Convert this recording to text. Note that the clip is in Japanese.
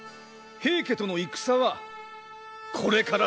平家との戦はこれからぞ。